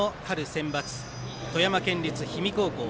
センバツ富山県立氷見高校。